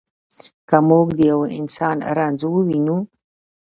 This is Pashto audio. که موږ د یوه انسان رنځ ووینو.